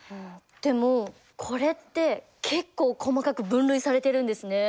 でもこれって結構細かく分類されてるんですね。